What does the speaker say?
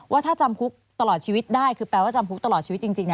ว่าถ้าจำคุกตลอดชีวิตได้คือแปลว่าจำคุกตลอดชีวิตจริง